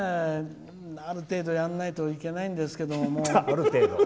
ある程度やらないといけないんですけど。